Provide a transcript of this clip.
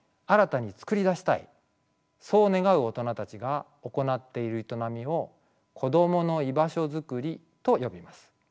そう願う大人たちが行っている営みをこどもの居場所づくりと呼びます。